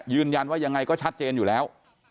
ยืนยันว่ายังไงก็ชัดเจนอยู่แล้ว